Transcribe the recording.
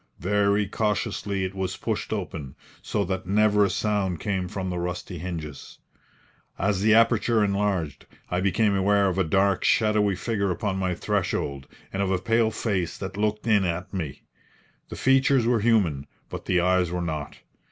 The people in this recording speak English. Very cautiously it was pushed open, so that never a sound came from the rusty hinges. As the aperture enlarged, I became aware of a dark, shadowy figure upon my threshold, and of a pale face that looked in at me. The features were human, but the eyes were not.